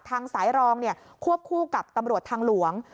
ทางสายรองควบคู่กับตำรวจทางหลวง